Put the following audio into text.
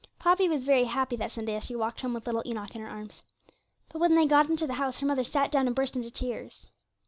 Poppy was very happy that Sunday as she walked home with little Enoch in her arms. But when they got into the house, her mother sat down and burst into tears.